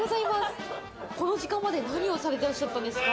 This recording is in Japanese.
この時間まで何をされてらっしゃったんですか？